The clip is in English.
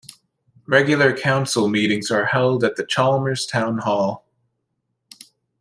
Regular council meetings are held at the Chalmers Town Hall.